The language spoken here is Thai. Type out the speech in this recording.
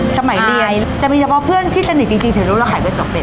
สมัยเรียนจะมีเฉพาะเพื่อนที่สนิทจริงจะรู้ว่าขายเวลาเตือกเป็น